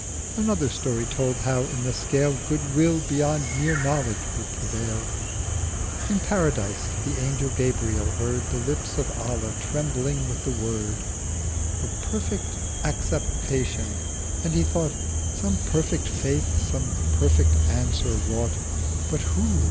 Another Story told how in the Scale Good Will beyond mere Knowledge would prevail. 700 In Paradise the Angel Gabriel heard The Lips of Allah trembling with the Word Of perfect Acceptation: and he thought 'Some perfect Faith such perfect Answer wrought, But whose?'